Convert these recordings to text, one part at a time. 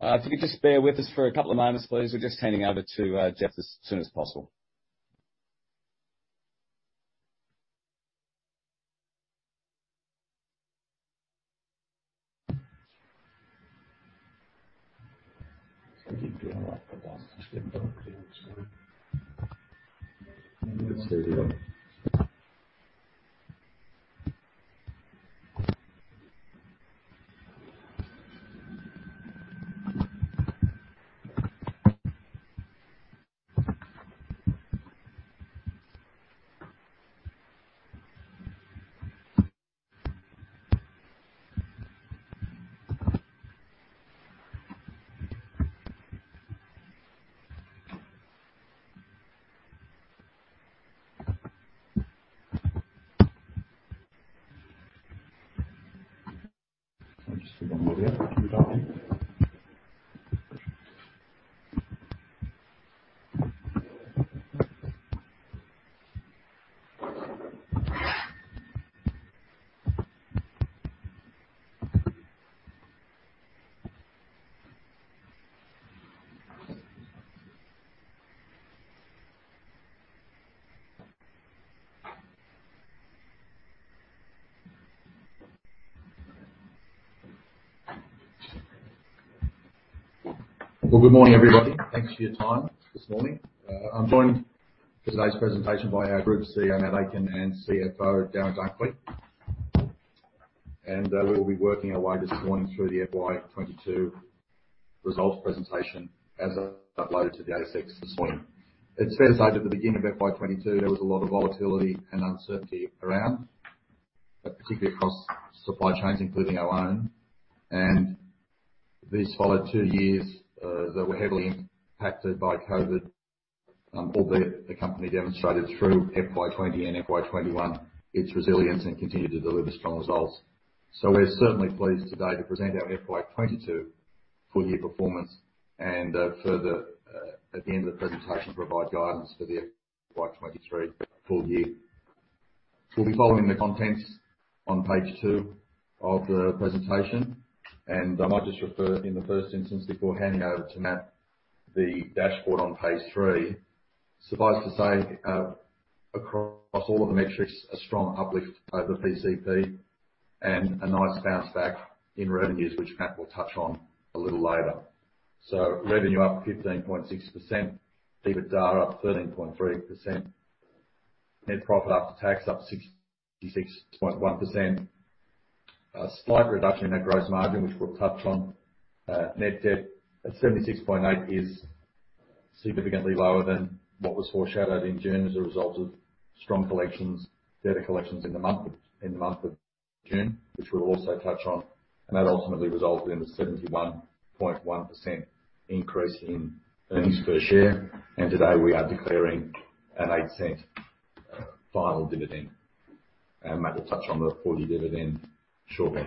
If you could just bear with us for a couple of moments, please. We're just handing over to Geoff as soon as possible. Well, good morning, everybody. Thanks for your time this morning. I'm joined for today's presentation by our Group CEO, Matt Aitken, and CFO, Darren Dunkley. We will be working our way this morning through the FY 2022 results presentation as uploaded to the ASX this morning. It's fair to say at the beginning of FY 2022, there was a lot of volatility and uncertainty around, particularly across supply chains, including our own. These followed two years that were heavily impacted by COVID, albeit the company demonstrated through FY 2020 and FY 2021 its resilience and continued to deliver strong results. We're certainly pleased today to present our FY 2022 full-year performance and, further, at the end of the presentation, provide guidance for the FY 2023 full year. We'll be following the contents on page 2 of the presentation, and I might just refer in the first instance, before handing over to Matt, to the dashboard on page 3. Suffice it to say, across all of the metrics, there's a strong uplift over PCP and a nice bounce back in revenues, which Matt will touch on a little later. Revenue is up 15.6%, EBITDA up 13.3%, and net profit after tax is up 66.1%. There's a slight reduction in net gross margin, which we'll touch on. Net debt at 76.8 million is significantly lower than what was foreshadowed in June as a result of strong collections, debtor collections in the month of June, which we'll also touch on. That ultimately resulted in a 71.1% increase in earnings per share. Today, we are declaring an 0.08 final dividend. Matt will touch on the full-year dividend shortly.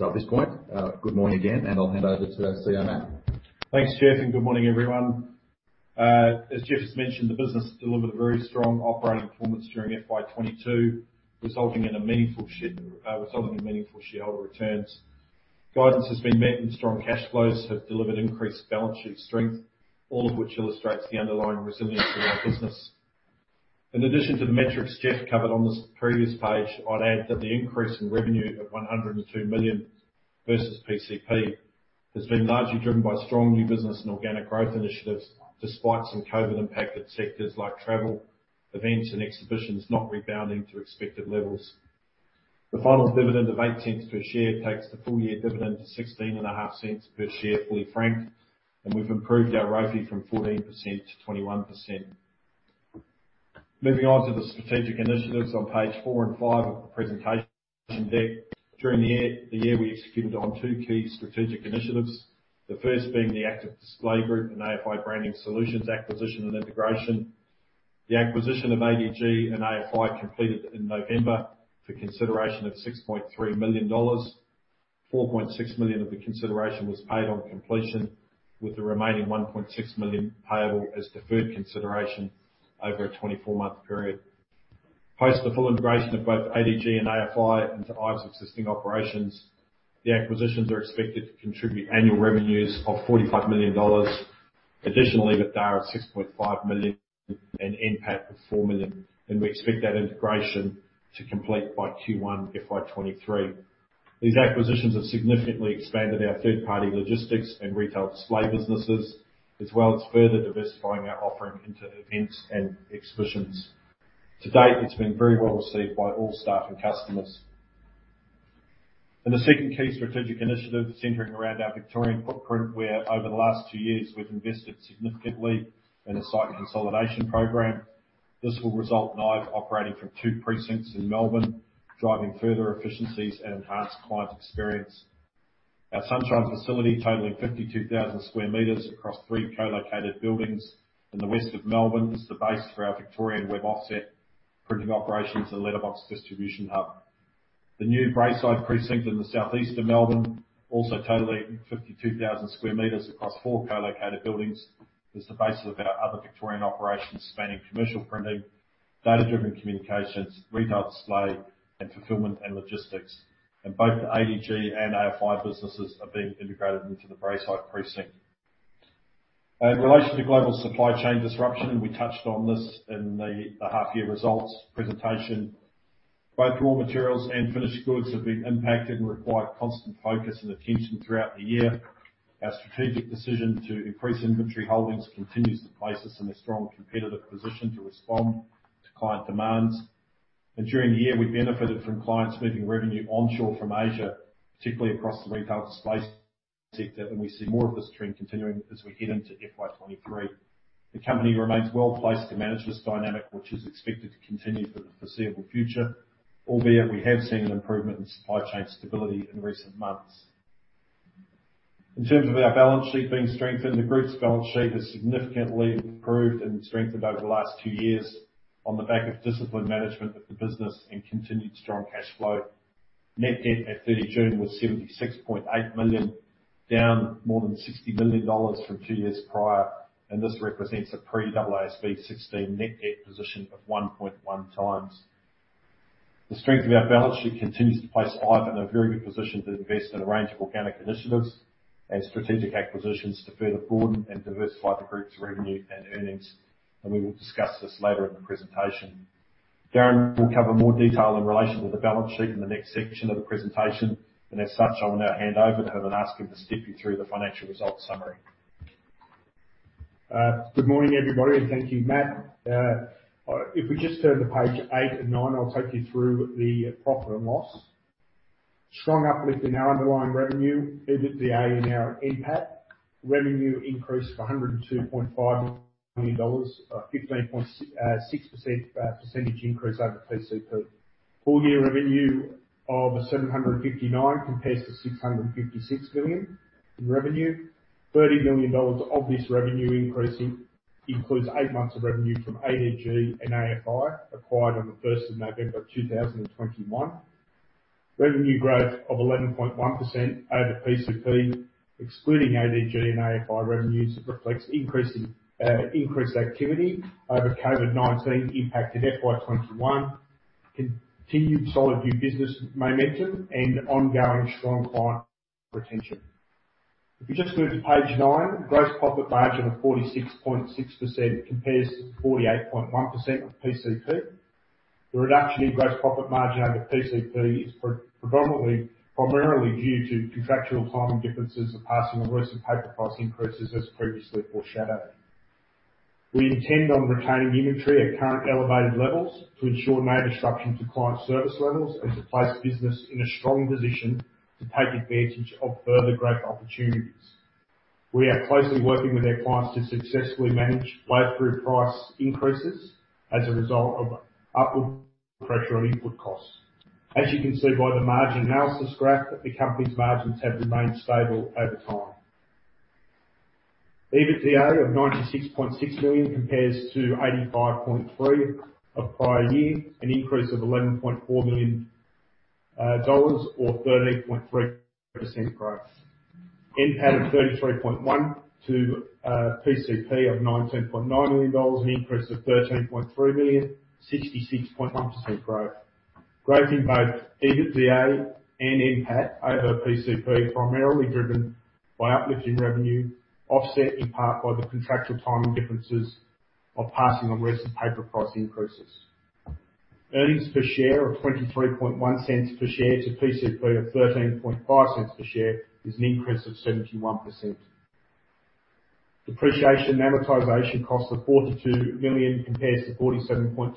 At this point, good morning again, and I'll hand over to our CEO, Matt. Thanks, Geoff, and good morning, everyone. As Geoff just mentioned, the business delivered a very strong operating performance during FY 2022, resulting in meaningful shareholder returns. Guidance has been met, and strong cash flows have delivered increased balance sheet strength, all of which illustrates the underlying resilience of our business. In addition to the metrics Geoff covered on the previous page, I'd add that the increase in revenue of 102 million versus PCP has been largely driven by strong new business and organic growth initiatives, despite some COVID-impacted sectors like travel, events, and exhibitions not rebounding to expected levels. The final dividend of 0.08 per share takes the full-year dividend to 0.165 per share, fully franked, and we've improved our ROFE from 14% to 21%. Moving on to the strategic initiatives on pages 4 and 5 of the presentation deck. During the year, we executed two key strategic initiatives. The first being the Active Display Group and AFI Branding Solutions acquisition and integration. The acquisition of ADG and AFI completed in November for consideration of 6.3 million dollars. 4.6 million of the consideration was paid on completion, with the remaining 1.6 million payable as deferred consideration over a 24-month period. Post the full integration of both ADG and AFI into IVE's existing operations, the acquisitions are expected to contribute annual revenues of 45 million dollars, with EBITDA at 6.5 million and NPAT of 4 million. We expect that integration to be complete by Q1 FY 2023. These acquisitions have significantly expanded our third-party logistics and retail display businesses, as well as further diversifying our offerings into events and exhibitions. To date, it's been very well received by all staff and customers. The second key strategic initiative centers around our Victorian footprint, where over the last 2 years, we've invested significantly in a site consolidation program. This will result in IVE operating from two precincts in Melbourne, driving further efficiencies and an enhanced client experience. Our Sunshine facility, totaling 52,000 sq m across three co-located buildings in the west of Melbourne, is the base for our Victorian web offset printing operations and letterbox distribution hub. The new Braeside precinct in the southeast of Melbourne, also totaling 52,000 sq m across four co-located buildings, is the base of our other Victorian operations spanning commercial printing, data-driven communications, retail display, and fulfillment and logistics. Both the ADG and AFI businesses are being integrated into the Braeside precinct. In relation to global supply chain disruption, we touched on this in the half-year results presentation. Both raw materials and finished goods have been impacted and require constant focus and attention throughout the year. Our strategic decision to increase inventory holdings continues to place us in a strong competitive position to respond to client demands. During the year, we benefited from clients moving revenue onshore from Asia, particularly across the retail space sector, and we see more of this trend continuing as we head into FY 2023. The company remains well-placed to manage this dynamic, which is expected to continue for the foreseeable future. Albeit, we have seen an improvement in supply chain stability in recent months. The Group's balance sheet has significantly improved and strengthened over the last two years, owing to disciplined management of the business and continued strong cash flow. Net debt at 30 June was 76.8 million, down more than AUD 60 million from two years prior, and this represents a pre-AASB 16 net debt position of 1.1 times. The strength of our balance sheet continues to place IVE in a very good position to invest in a range of organic initiatives and strategic acquisitions to further broaden and diversify the Group's revenue and earnings, and we will discuss this later in the presentation. Darren will cover more details in relation to the balance sheet in the next section of the presentation, and as such, I will now hand over to him and ask him to step you through the financial results summary. Good morning, everybody, and thank you, Matt. If we just turn to pages 8 and 9, I'll take you through the profit and loss. We saw a strong uplift in our underlying revenue, EBITDA, and our NPAT. Revenue increased to AUD 102.5 million, a 15.6% increase over the PCP. Full-year revenue of 759 million compares to 656 million in revenue. AUD 30 million of this revenue increase includes eight months of revenue from ADG and AFI, acquired on November 1, 2021. Revenue growth of 11.1% over the PCP, excluding ADG and AFI revenues, reflects increased activity over COVID-19 impacted FY 2021, continued solid new business momentum, and ongoing strong client retention. If you just move to page nine, a gross profit margin of 46.6% compares to 48.1% PCP. The reduction in gross profit margin over PCP is primarily due to contractual timing differences in passing on recent paper price increases, as previously foreshadowed. We intend to retain inventory at current elevated levels to ensure no disruption to client service levels and to place the business in a strong position to take advantage of further growth opportunities. We are closely working with our clients to successfully manage the flow-through of price increases as a result of upward pressure on input costs. As you can see by the margin analysis graph, the company's margins have remained stable over time. EBITDA of 96.6 million compares to 85.3 million in the prior year, an increase of 11.4 million dollars or 13.3% growth. NPAT of 33.1 million compares to PCP of 19.9 million dollars, an increase of 13.3 million, or 66.1% growth. Growth in both EBITDA and NPAT over PCP was primarily driven by an uplift in revenue, offset in part by the contractual timing differences of passing on recent paper price increases. Earnings per share of 0.231 compares to PCP of 0.135 per share, an increase of 71%. Depreciation and amortization costs of 42 million compare to 47.2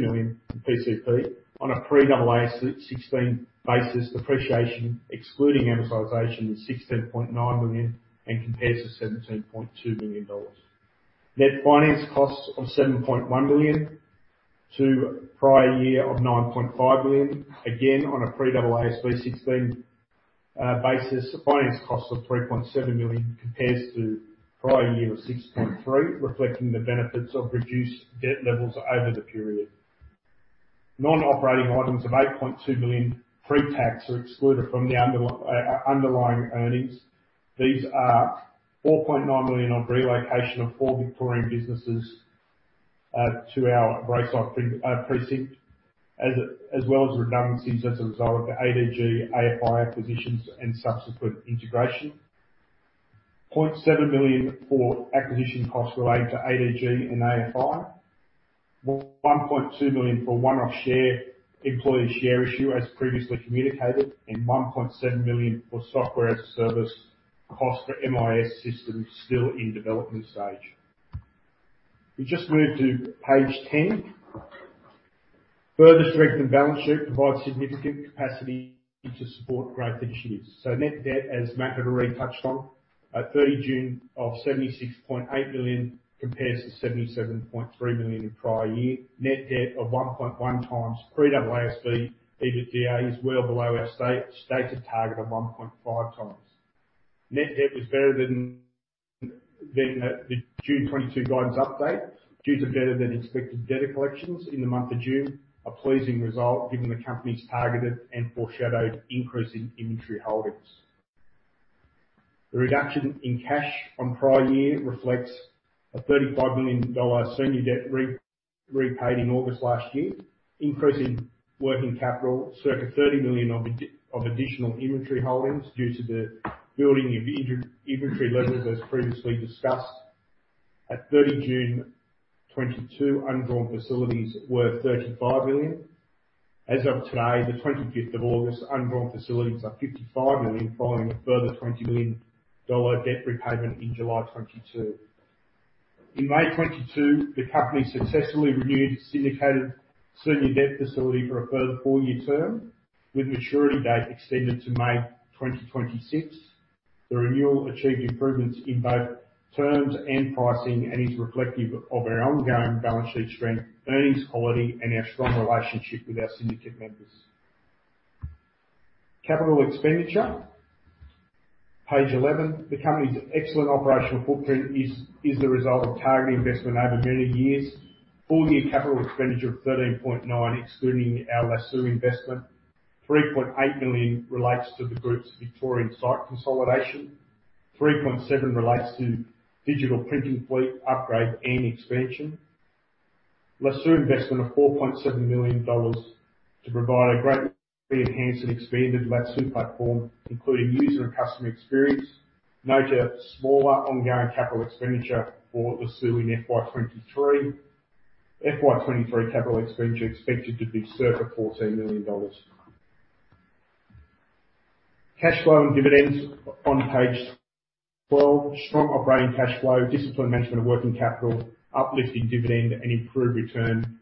million PCP. On a pre-AASB 16 basis, depreciation excluding amortization is AUD 16.9 million and compares to AUD 17.2 million. Net finance costs of AUD 7.1 million compared to the prior year's AUD 9.5 million. Again, on a pre-AASB 16 basis, finance costs of AUD 3.7 million compare to the prior year's 6.3 million, reflecting the benefits of reduced debt levels over the period. Non-operating items of 8.2 million pre-tax are excluded from the underlying earnings. These include AUD 4.9 million for the relocation of four Victorian businesses to our Braeside precinct, as well as redundancies resulting from the ADG and AFI acquisitions and subsequent integration. 0.7 million for acquisition costs relates to ADG and AFI. 1.2 million for a one-off employee share issue, as previously communicated. 1.7 million for software as a service cost for MIS systems still in the development stage. If we just move to page 10. A further strengthened balance sheet provides significant capacity to support growth initiatives. Net debt, as Matt had already touched on, at 30 June of 76.8 million compares to 77.3 million in the prior year. Net debt of 1.1 times pre-AASB EBITDA is well below our stated target of 1.5 times. Net debt was better than the June 2022 guidance update due to better-than-expected debt collections in the month of June—a pleasing result, given the company's targeted and foreshadowed increase in inventory holdings. The reduction in cash on the prior year reflects AUD 35 million of senior debt repaid in August last year. The increase in working capital, circa 30 million of additional inventory holdings, is due to the building of inventory levels as previously discussed. At 30 June 2022, undrawn facilities were 35 million. As of today, August 25th, undrawn facilities are 55 million, following a further AUD 20 million debt repayment in July 2022. In May 2022, the company successfully renewed its syndicated senior debt facility for a further four-year term, with the maturity date extended to May 2026. The renewal achieved improvements in both terms and pricing and is reflective of our ongoing balance sheet strength, earnings quality, and our strong relationship with our syndicate members. Capital expenditure, page eleven. The company's excellent operational footprint is the result of targeted investment over many years. Full-year capital expenditure of 13.9 million, excluding our Lasoo investment. 3.8 million relates to the group's Victorian site consolidation. 3.7 million relates to digital printing fleet upgrade and expansion. Lasoo investment of 4.7 million dollars to provide a greatly enhanced and expanded Lasoo platform, including user and customer experience. Note a smaller ongoing capital expenditure for Lasoo in FY 2023. FY 2023 capital expenditure is expected to be circa 14 million dollars. Cash flow and dividends are on page 12. Strong operating cash flow, disciplined management of working capital, uplifting dividend, and improved return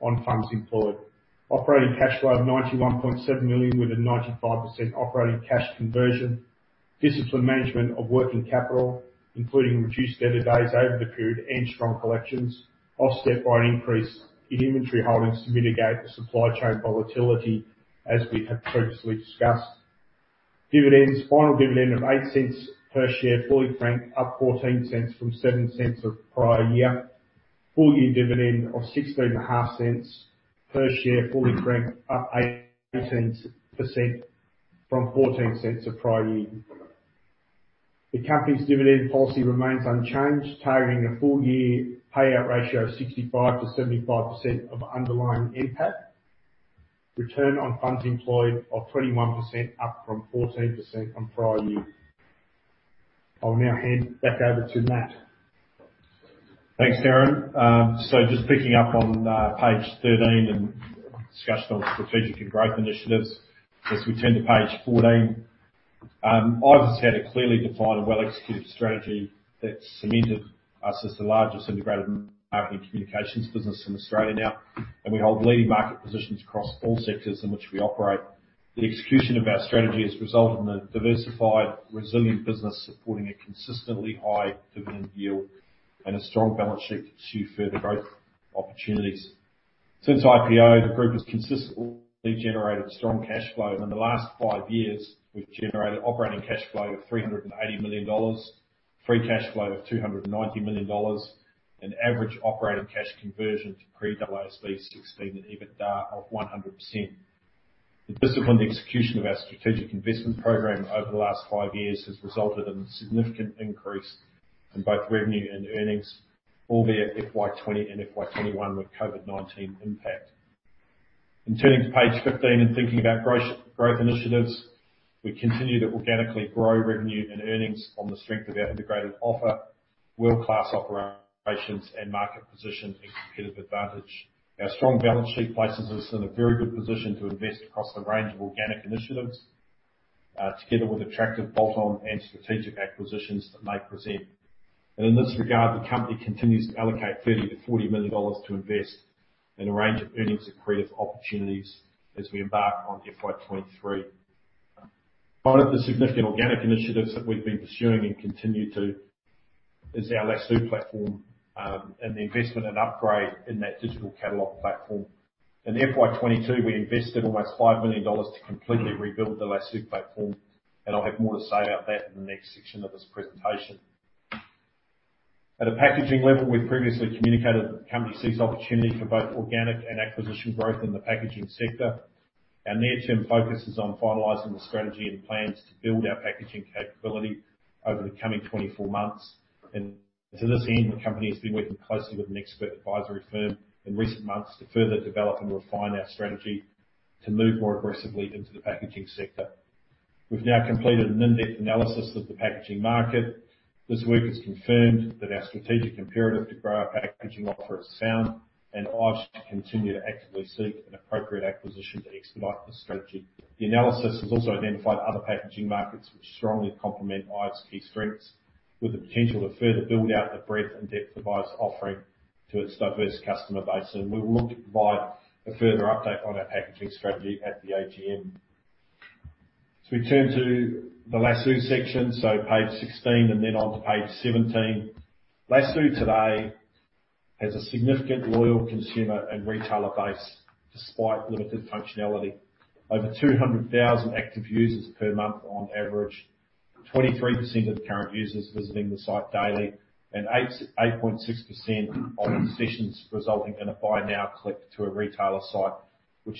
on funds employed. Operating cash flow of 91.7 million, with a 95% operating cash conversion. Disciplined management of working capital, including reduced debtor days over the period and strong collections, offset by an increase in inventory holdings to mitigate supply chain volatility as we have previously discussed. Dividends: Final dividend of 0.08 per share, fully franked, up 14% from 0.07 of the prior year. Full-year dividend of 0.165 per share, fully franked, up 18% from 0.14 of the prior year. The company's dividend policy remains unchanged, targeting a full-year payout ratio of 65%-75% of underlying NPAT. Return on funds employed was 21%, up from 14% in the prior year. I'll now hand back over to Matt. Thanks, Darren. Just picking up on page thirteen and the discussion on strategic and growth initiatives. As we turn to page fourteen, IVE has had a clearly defined and well-executed strategy that's cemented us as the largest integrated marketing communications business in Australia now. We hold leading market positions across all sectors in which we operate. The execution of our strategy has resulted in a diversified, resilient business, supporting a consistently high dividend yield and a strong balance sheet for further growth opportunities. Since IPO, the group has consistently generated strong cash flows. In the last five years, we've generated an operating cash flow of 380 million dollars, free cash flow of 290 million dollars, and an average operating cash conversion to pre-AASB 16 and EBITDA of 100%. The disciplined execution of our strategic investment program over the last 5 years has resulted in a significant increase in both revenue and earnings, albeit with COVID-19 impact in FY 2020 and FY 2021. Turning to page 15 and thinking about growth initiatives, we continue to organically grow revenue and earnings on the strength of our integrated offer, world-class operations, market position, and competitive advantage. Our strong balance sheet places us in a very good position to invest across a range of organic initiatives, together with attractive bolt-on and strategic acquisitions that may present themselves. In this regard, the company continues to allocate 30 million-40 million dollars to invest in a range of earnings-accretive opportunities as we embark on FY 2023. One of the significant organic initiatives that we've been pursuing and continue to pursue is our Lasoo platform, and the investment and upgrade in that digital catalog platform. In FY 2022, we invested almost 5 million dollars to completely rebuild the Lasoo platform, and I'll have more to say about that in the next section of this presentation. At a packaging level, we've previously communicated that the company sees opportunities for both organic and acquisition growth in the packaging sector. Our near-term focus is on finalizing the strategy and plans to build our packaging capability over the coming 24 months. To this end, the company has been working closely with an expert advisory firm in recent months to further develop and refine our strategy to move more aggressively into the packaging sector. We've now completed an in-depth analysis of the packaging market. This work has confirmed that our strategic imperative to grow our packaging offer is sound, and IVE should continue to actively seek an appropriate acquisition to expedite the strategy. The analysis has also identified other packaging markets which strongly complement IVE's key strengths, with the potential to further build out the breadth and depth of IVE's offering to its diverse customer base. We will look to provide a further update on our packaging strategy at the AGM. As we turn to the Lasoo section, so page 16 and then onto page 17. Lasoo today has a significant loyal consumer and retailer base despite limited functionality. Over 200,000 active users per month on average, 23% of current users visiting the site daily, and 8.6% of decisions resulting in a "buy now" click to a retailer site,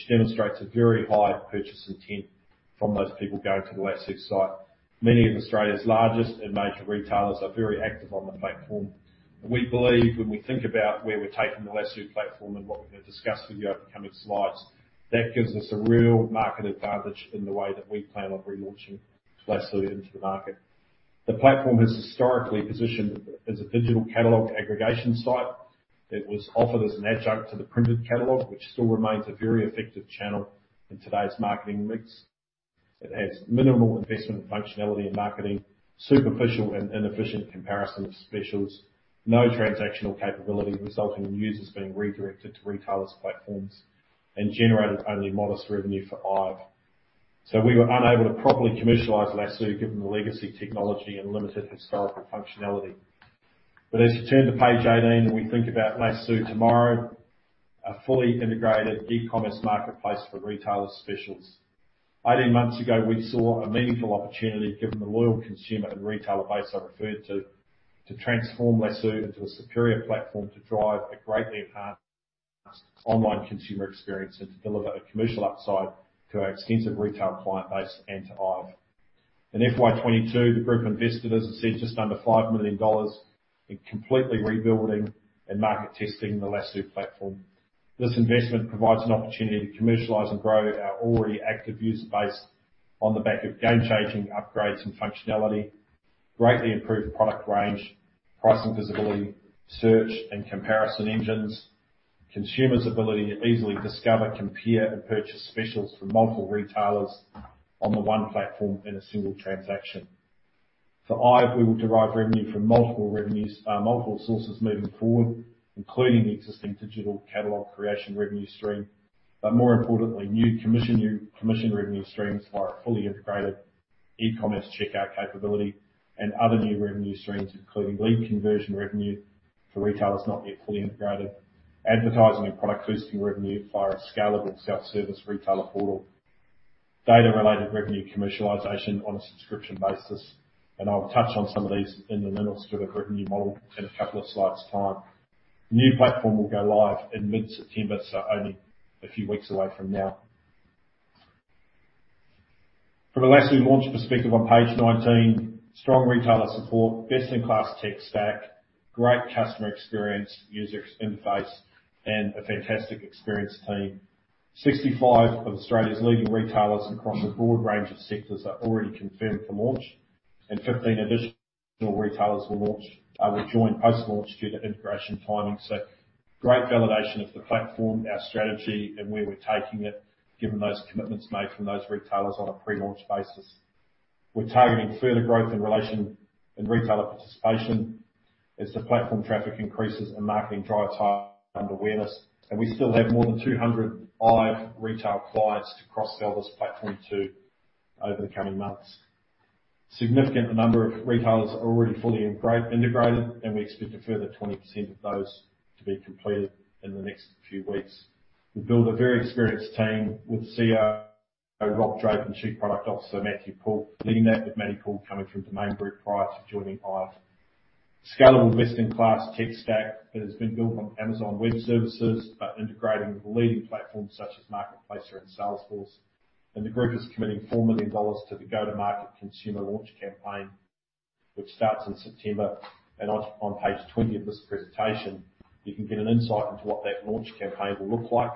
demonstrate a very high purchase intent from those people going to the Lasoo site. Many of Australia's largest and major retailers are very active on the platform. We believe that when we think about where we're taking the Lasoo platform and what we're going to discuss with you over the coming slides, that gives us a real market advantage in the way that we plan on relaunching Lasoo into the market. The platform has historically been positioned as a digital catalog aggregation site that was offered as an adjunct to the printed catalog, which still remains a very effective channel in today's marketing mix. It has minimal investment in marketing functionality, superficial and inefficient comparison of specials, and no transactional capability, resulting in users being redirected to retailers' platforms and generating only modest revenue for IVE. We were unable to properly commercialize Lasoo given the legacy technology and limited historical functionality. As you turn to page 18, and we think about Lasoo tomorrow, a fully integrated e-commerce marketplace for retailer specials, eighteen months ago, we saw a meaningful opportunity, given the loyal consumer and retailer base I referred to, to transform Lasoo into a superior platform to drive a greatly enhanced online consumer experience and to deliver a commercial upside to our extensive retail client base and to IVE. In FY 2022, the group invested, as I said, just under 5 million dollars in completely rebuilding and market testing the Lasoo platform. This investment provides an opportunity to commercialize and grow our already active user base on the back of game-changing upgrades and functionality, greatly improving the product range, pricing visibility, search and comparison engines, and consumers' ability to easily discover, compare, and purchase specials from multiple retailers on one platform in a single transaction. For IVE, we will derive revenue from multiple sources moving forward, including the existing digital catalog creation revenue stream, but more importantly, new commission revenue streams via a fully integrated e-commerce checkout capability and other new revenue streams, including lead conversion revenue for retailers not yet fully integrated, advertising and product listing revenue via a scalable self-service retailer portal, and data-related revenue commercialization on a subscription basis. I'll touch on some of these in the details for the revenue model in a couple of slides. The new platform will go live in mid-September, so it's only a few weeks away. From a Lasoo launch perspective on page 19, there's strong retailer support, a best-in-class tech stack, a great customer experience, a user experience interface, and a fantastic experience team. Sixty-five of Australia's leading retailers across a broad range of sectors are already confirmed for launch, and 15 additional retailers will join post-launch due to integration timing. This is great validation of the platform, our strategy, and where we're taking it, given the commitments made by those retailers on a pre-launch basis. We're targeting further growth in retailer participation as platform traffic increases and marketing drives higher brand awareness. We still have more than 200 IVE retail clients to cross-sell this platform to over the coming months. A significant number of retailers are already fully integrated, and we expect a further 20% of those to be completed in the next few weeks. We built a very experienced team with COO Rob Drake and Chief Product Officer Matthew Poole leading that, with Matthew Poole coming from Domain Group prior to joining IVE. Our scalable, best-in-class tech stack has been built on Amazon Web Services, integrating with leading platforms such as Marketplace and Salesforce. The group is committing 4 million dollars to the go-to-market consumer launch campaign, which starts in September. On page 20 of this presentation, you can get an insight into what that launch campaign will look like.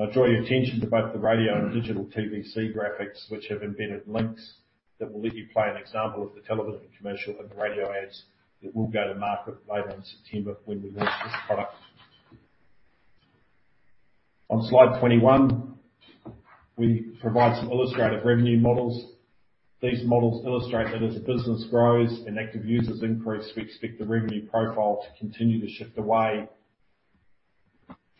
I draw your attention to both the radio and digital TVC graphics, which have embedded links that will let you play an example of the television commercial and the radio ads that will go to market later in September when we launch this product. On slide 21, we provide some illustrative revenue models. These models illustrate that as the business grows and active users increase, we expect the revenue profile to continue to shift away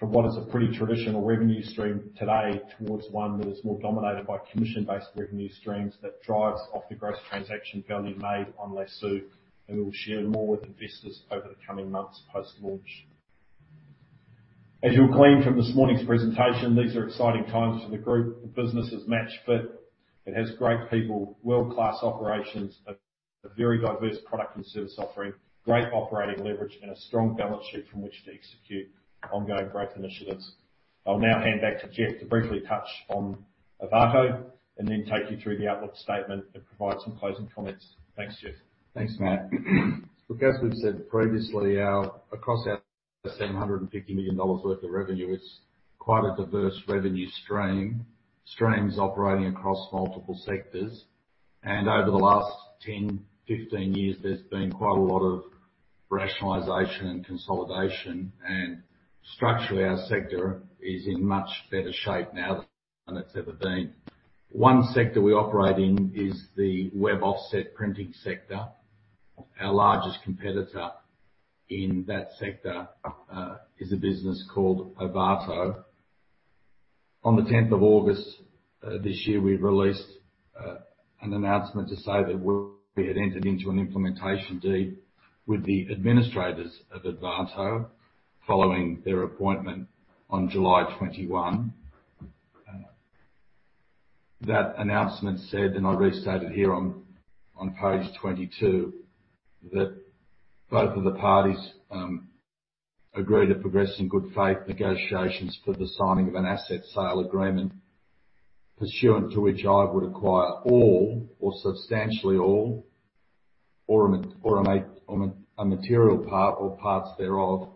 from what is a pretty traditional revenue stream today towards one that is more dominated by commission-based revenue streams that drive off the gross transaction value made on Lasoo, and we'll share more with investors over the coming months post-launch. As you'll glean from this morning's presentation, these are exciting times for the group. The business is match fit. It has great people, world-class operations, a very diverse product and service offering, great operating leverage, and a strong balance sheet from which to execute ongoing growth initiatives. I'll now hand back to Geoff to briefly touch on Ovato and then take you through the outlook statement and provide some closing comments. Thanks, Geoff. Thanks, Matt. Look, as we've said previously, across our same 150 million dollars worth of revenue, it's quite a diverse revenue stream operating across multiple sectors. Over the last 10-15 years, there's been quite a lot of rationalization and consolidation. Structurally, our sector is in much better shape now than it's ever been. One sector we operate in is the web offset printing sector. Our largest competitor in that sector is a business called Ovato. On the 10th of August this year, we released an announcement to say that we had entered into an implementation deed with the administrators of Ovato following their appointment on July 21. That announcement said, I restate it here on page 22, that both of the parties agreed to progress in good faith negotiations for the signing of an asset sale agreement pursuant to which I would acquire all or substantially all or a material part or parts thereof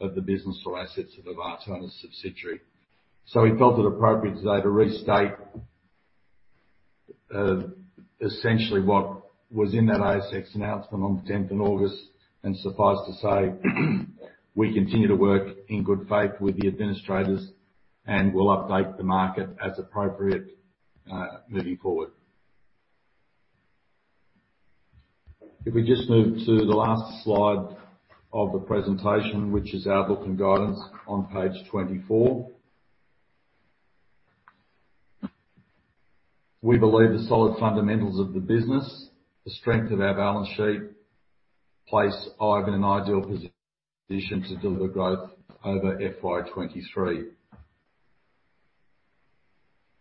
of the business or assets of Ovato and its subsidiary. We felt it appropriate today to restate essentially what was in that ASX announcement on the tenth of August. Suffice to say, we continue to work in good faith with the administrators, and we'll update the market as appropriate moving forward. If we just move to the last slide of the presentation, which is our book and guidance on page 24. We believe the solid fundamentals of the business and the strength of our balance sheet place IVE in an ideal position to deliver growth over FY 2023.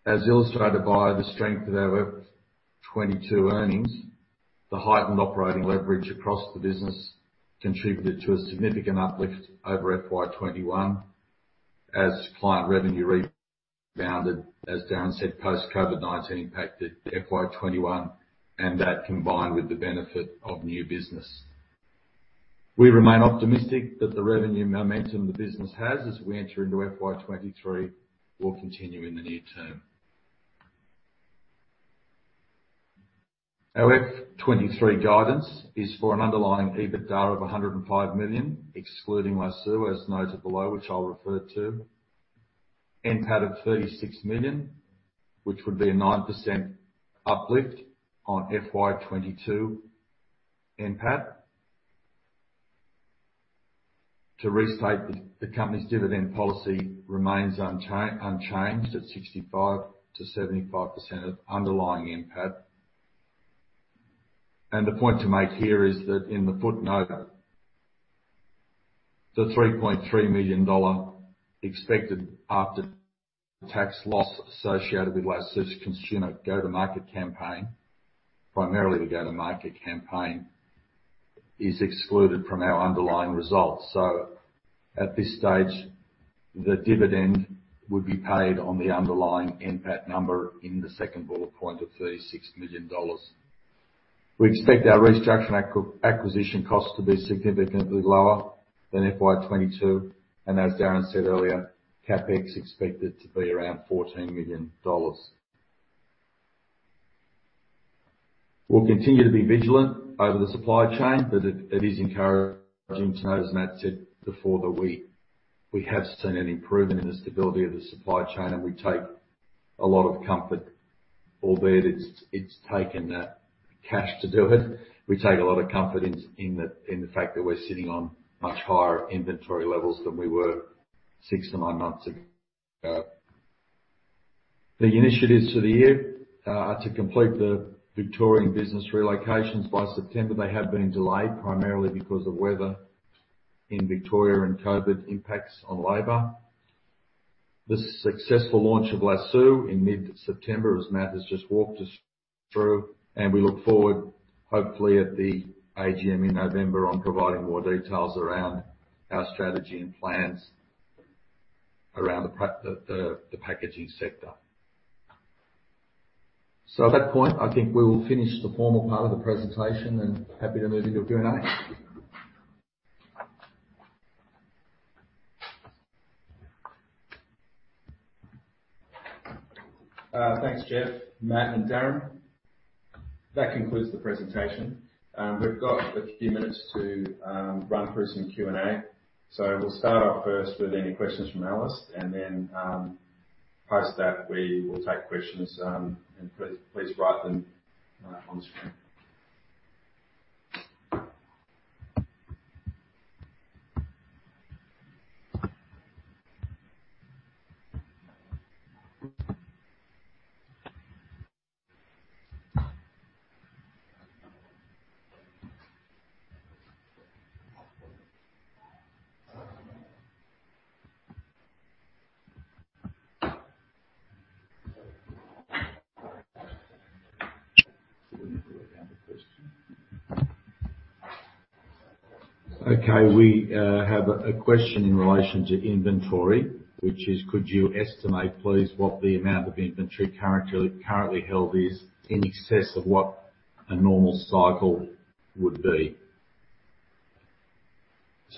As illustrated by the strength of our 2022 earnings, the heightened operating leverage across the business contributed to a significant uplift over FY 2021 as client revenue rebounded, as Darren said, post-COVID-19 impacted FY 2021, and that combined with the benefit of new business. We remain optimistic that the revenue momentum the business has as we enter into FY 2023 will continue in the near term. Our FY 2023 guidance is for an underlying EBITDA of 105 million, excluding Lasoo, as noted below, which I'll refer to. NPAT of 36 million, which would be a 9% uplift on FY 2022 NPAT. To restate, the company's dividend policy remains unchanged at 65%-75% of underlying NPAT. The point to make here is that in the footnote, the AUD 3.3 million expected after-tax loss associated with Lasoo's consumer go-to-market campaign, primarily the go-to-market campaign, is excluded from our underlying results. At this stage, the dividend would be paid on the underlying NPAT number in the second bullet point of 36 million dollars. We expect our restructuring acquisition costs to be significantly lower than FY 2022, and as Darren said earlier, CapEx is expected to be around AUD 14 million. We'll continue to be vigilant over the supply chain, but it is encouraging to note, as Matt said before, that we have seen an improvement in the stability of the supply chain, and we take a lot of comfort, albeit it's taken cash to do it. We take a lot of comfort in the fact that we're sitting on much higher inventory levels than we were 6-9 months ago. The initiatives for the year are to complete the Victorian business relocations by September. They have been delayed primarily because of weather in Victoria and COVID impacts on labor. We anticipate the successful launch of Lasoo in mid-September, as Matt has just walked us through, and we look forward, hopefully at the AGM in November, to providing more details around our strategy and plans for the packaging sector. At that point, I think we will finish the formal part of the presentation and be happy to move into Q&A. Thanks, Geoff, Matt, and Darren. That concludes the presentation. We've got a few minutes to run through some Q&A. We'll start off first with any questions from Alice, and then, after that, we will take questions, and please write them on screen. We need to work out the question. Okay, we have a question in relation to inventory, which is: Could you please estimate what the amount of inventory currently held is in excess of what a normal cycle would be?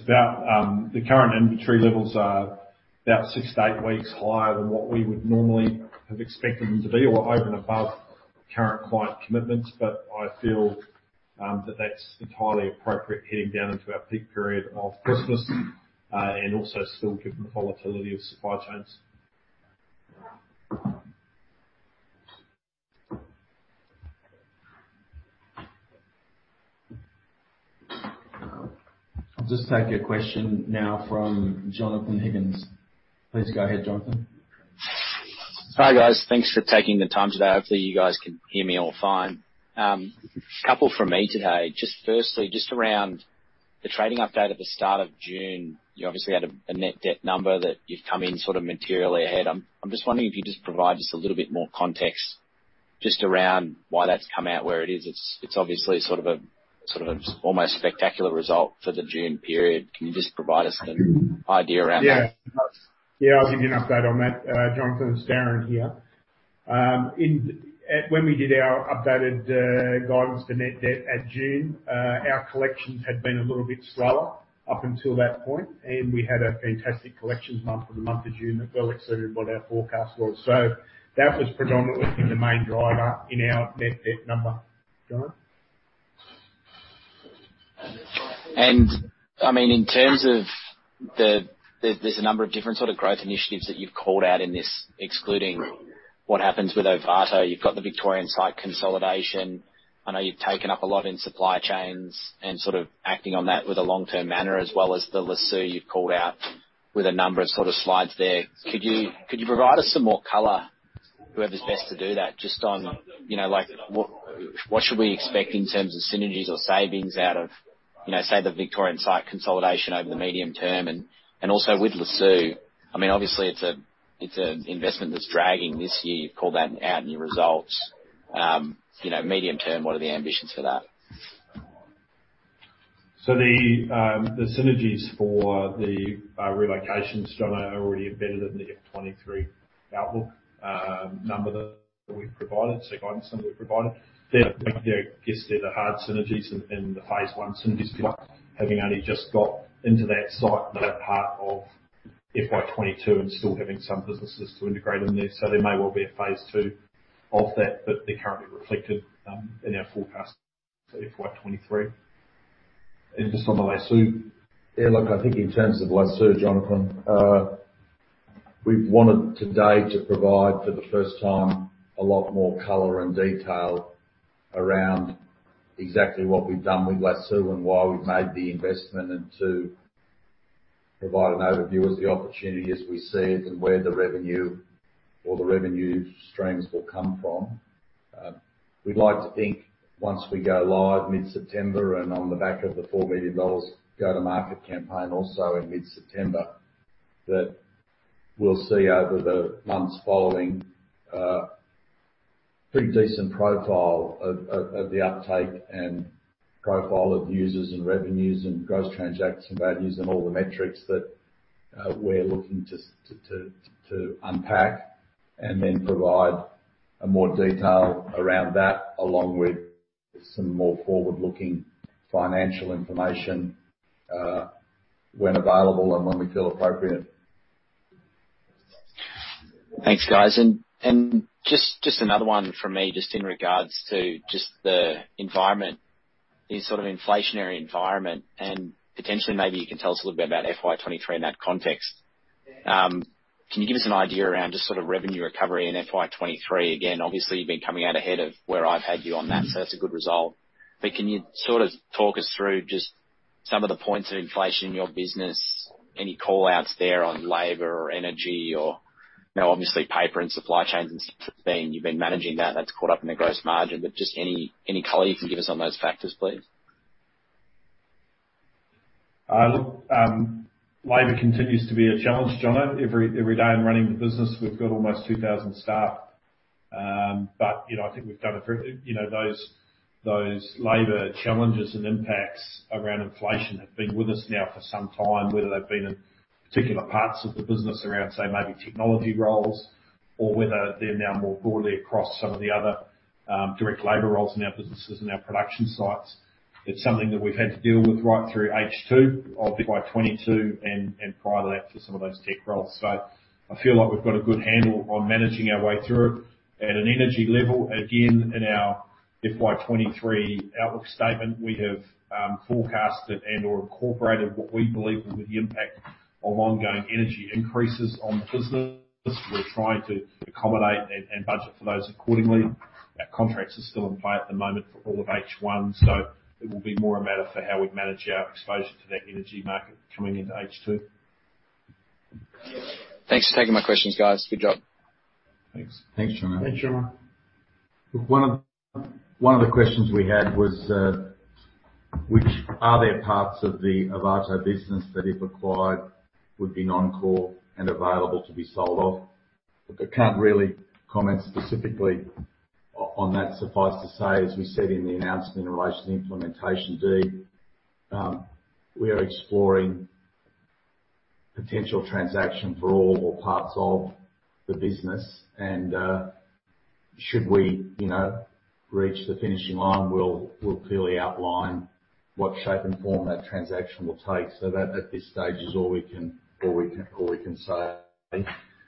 Current inventory levels are about 6-8 weeks higher than what we would normally have expected them to be, or over and above current client commitments. I feel that that's entirely appropriate heading down into our peak Christmas period, and also given the volatility of supply chains. I'll just take a question now from Jonathan Higgins. Please go ahead, Jonathan. Hi, guys. Thanks for taking the time today. Hopefully, you all can hear me fine. A couple of things from me today. Firstly, regarding the trading update at the start of June, you obviously had a net debt number that came in materially ahead. I'm just wondering if you could provide a little more context as to why that's come out where it is. It's obviously an almost spectacular result for the June period. Can you just give us an idea about that? Yeah. Yeah, I'll give you an update on that, Jonathan. It's Darren here. When we did our updated guidance for net debt in June, our collections had been a little bit slower up until that point, and we had a fantastic collections month for June that well exceeded what our forecast was. That was predominantly the main driver in our net debt number. Jonathan? I mean, in terms of that, there are a number of different growth initiatives that you've called out, excluding what happens with Ovato. You've got the Victorian site consolidation. I know you've taken up a lot in supply chains and are acting on that in a long-term manner, as well as the Lasoo you've called out with a number of slides there. Could you provide us with more color, whoever's best to do that, just on what we should expect in terms of synergies or savings out of, say, the Victorian site consolidation over the medium term? And also with Lasoo, I mean, obviously it's an investment that's dragging this year. You've called that out in your results. In the medium term, what are the ambitions for that? The synergies for the relocations, John, are already embedded in the FY 2023 outlook number that we've provided, so the guidance that we've provided. They're, you know, I guess they're the hard synergies and the Phase 1 synergies, if you like, having only just gotten into that site for that part of FY 2022 and still having some businesses to integrate there. There may well be a Phase 2 of that, but they're currently reflected in our forecast for FY 2023, just on the Lasoo. Yeah. Look, I think in terms of Lasoo, Jonathan, we've wanted today to provide, for the first time, a lot more color and detail around exactly what we've done with Lasoo and why we've made the investment and to provide an overview of the opportunity as we see it and where the revenue or the revenue streams will come from. We'd like to think once we go live mid-September and on the back of the 4 million dollars go-to-market campaign also in mid-September, that we'll see over the months following a pretty decent profile of the uptake and profile of users and revenues and gross transaction values and all the metrics that we're looking to unpack and then provide more detail around that, along with some more forward-looking financial information, when available and when we feel appropriate. Thanks, guys. Just another one from me regarding the inflationary environment. Perhaps you could tell us a little about FY 2023 in that context. Can you give us an idea about revenue recovery in FY 2023? Again, obviously you've been coming out ahead of where I had you on that, so that's a good result. Could you talk us through some of the points of inflation in your business, any call-outs there on labor or energy, or, you know, obviously paper and supply chains and such? You've been managing that. That's caught up in the gross margin. Please provide any color you can on those factors. Look, labor continues to be a challenge, John. Every day I'm running the business, we've got almost 2,000 staff. You know, those labor challenges and impacts around inflation have been with us now for some time, whether they've been in particular parts of the business, say, maybe technology roles, or whether they're now more broadly across some of the other direct labor roles in our businesses and our production sites. It's something that we've had to deal with right through H2 of FY 22 and prior to that for some of those tech roles. I feel like we've got a good handle on managing our way through. At an energy level, again, in our FY23 outlook statement, we have forecasted and/or incorporated what we believe will be the impact of ongoing energy increases on the business. We're trying to accommodate and budget for those accordingly. Our contracts are still in play at the moment for all of H1, so it will be more a matter of how we manage our exposure to that energy market coming into H2. Thanks for taking my questions, guys. Good job. Thanks. Thanks, Jonathan. Thanks, Jonathan. One of the questions we had was, are there parts of the Ovato business that, if acquired, would be non-core and available to be sold off? Look, I can't really comment specifically on that. Suffice it to say, as we said in the announcement in relation to the implementation deed, we are exploring potential transactions for all or parts of the business. Should we, you know, reach the finishing line, we'll clearly outline what shape and form that transaction will take. That, at this stage, is all we can say.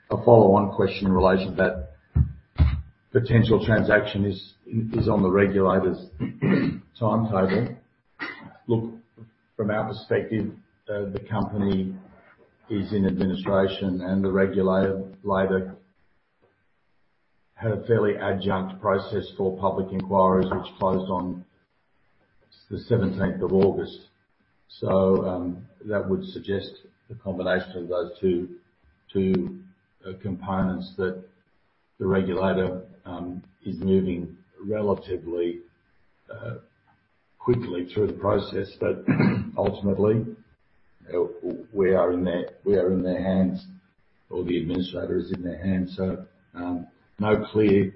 A follow-on question in relation to that: The potential transaction is on the regulator's timetable. From our perspective, the company is in administration, and the regulator had a fairly ad hoc process for public inquiries, which closed on the 17th of August. That combination of those two components would suggest that the regulator is moving relatively quickly through the process. Ultimately, we are in their hands, or the administrator is in their hands. No clear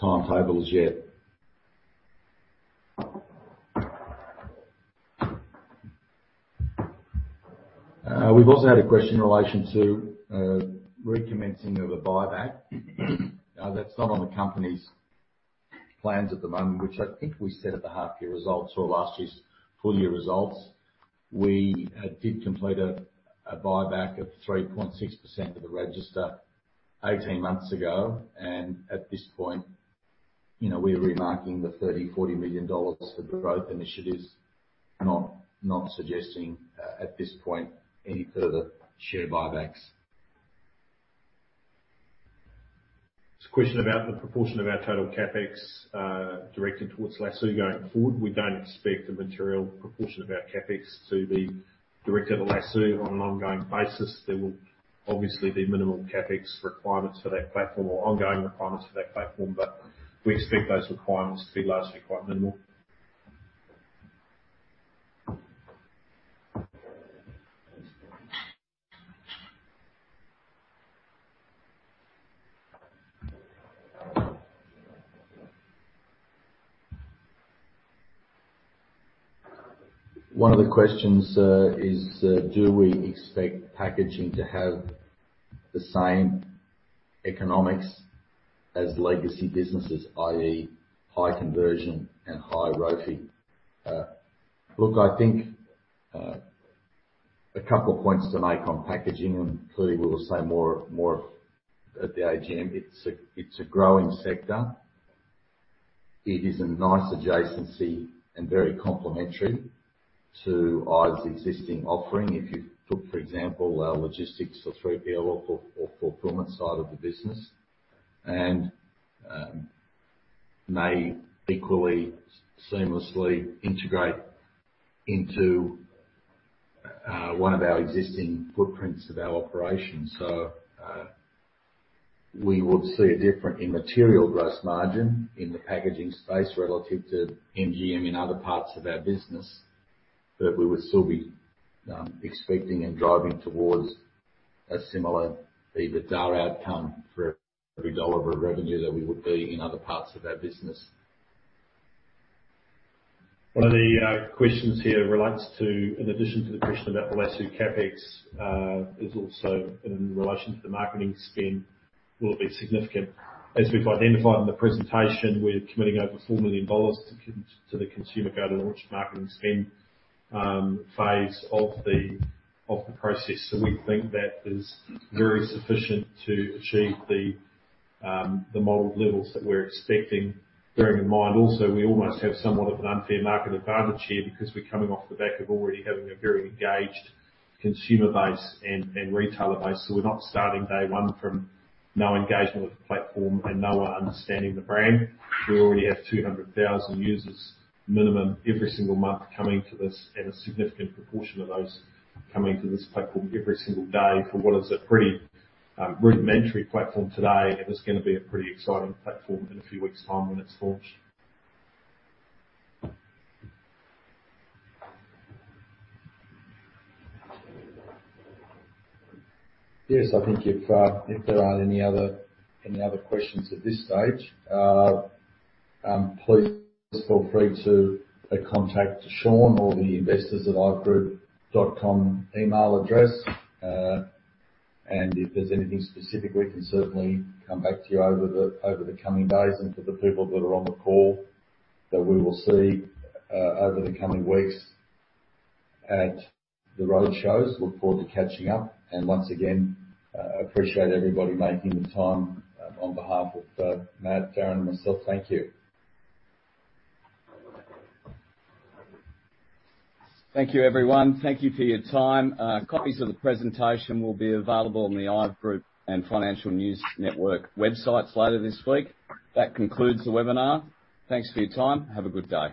timetables yet. We've also had a question in relation to recommencing a buyback. That's not on the company's plans at the moment, which I think we said at the half-year results or last year's full-year results. We did complete a buyback of 3.6% of the register 18 months ago. At this point, you know, we're earmarking 30 million-40 million dollars for growth initiatives, not suggesting, at this point, any further share buybacks. There's a question about the proportion of our total CapEx directed towards Lasoo going forward. We don't expect a material proportion of our CapEx to be directed at Lasoo on an ongoing basis. There will obviously be minimum CapEx requirements for that platform or ongoing requirements for that platform, but we expect those requirements to be largely quite minimal. One of the questions is, do we expect packaging to have the same economics as legacy businesses, i.e., high conversion and high ROFE? Look, I think there are a couple of points to make on packaging, and clearly, we will say more at the AGM. It's a growing sector. It is a nice adjacency and very complementary to IVE's existing offering. If you took, for example, our logistics or third-party or fulfillment side of the business, it may equally seamlessly integrate into one of our existing footprints of our operations. We would see an immaterial gross margin in the packaging space relative to the margin in other parts of our business. We would still be expecting and driving toward a similar EBITDA outcome for every dollar of revenue that we would be in other parts of our business. One of the questions here relates to, in addition to the question about the Lasoo CapEx, the marketing spend, and whether it will be significant. As we've identified in the presentation, we're committing over 4 million dollars to the consumer go-to-launch marketing spend phase of the process. We think that is very sufficient to achieve the modeled levels that we're expecting. Bearing in mind also, we almost have somewhat of an unfair market advantage here because we're coming off the back of already having a very engaged consumer base and retailer base. We're not starting day one with no engagement with the platform and no one understanding the brand. Yes, I think if there aren't any other questions at this stage, please feel free to contact Sean or the investors at ivegroup.com email address. If there's anything specific, we can certainly come back to you over the coming days. For the people that are on the call that we will see over the coming weeks at the roadshows, look forward to catching up. Once again, appreciate everybody making the time. On behalf of Matt, Darren, and myself, thank you. Thank you, everyone. Thank you for your time. Copies of the presentation will be available on the IVE Group and Finance News Network websites later this week. That concludes the webinar. Thanks for your time. Have a good day.